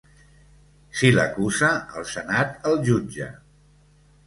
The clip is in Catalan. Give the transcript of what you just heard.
Si l’acusa, el senat el jutja.